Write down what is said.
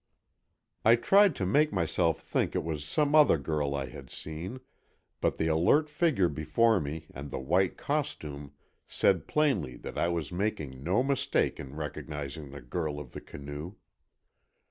I tried to make myself think it was some other girl I had seen, but the alert figure before me and the white costume said plainly that I was making no mistake in recognizing the girl of the canoe.